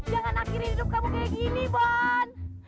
jangan akhirin hidup kamu kayak gini ban